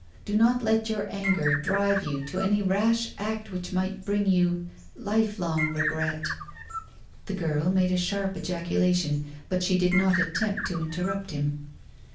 Do not let your anger drive you to any rash act which might bring you lifelong regret." The girl made a sharp ejaculation. But she did not attempt to interrupt him.